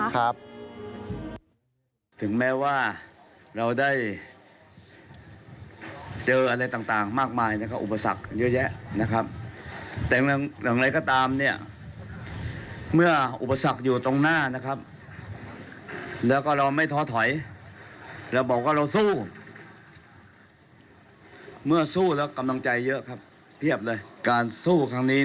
ขอฟังช่วงนั้นอีกหน่อยหนึ่งได้ไหมครับ